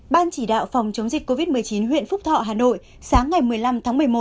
ban chỉ đạo phòng chống dịch covid một mươi chín huyện phúc thọ hà nội sáng ngày một mươi năm tháng một mươi một